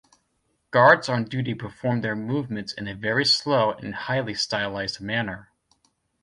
Guards on duty perform their movements in a very slow and highly stylized manner.